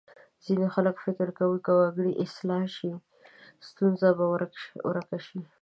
ځینې خلک فکر کوي که وګړي اصلاح شي ستونزه به ورکه شي.